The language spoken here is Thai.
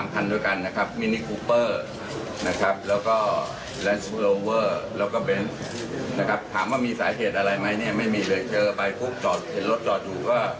พวกเขาแค่ไม่มีเดือนเชอร์ไปปุ๊บเห็นรถจอดอยู่